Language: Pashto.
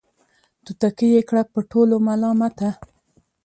توتکۍ یې کړه په ټولو ملامته